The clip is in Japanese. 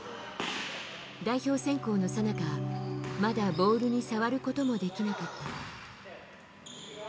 代表選考のさなか、まだボールに触ることもできなかった。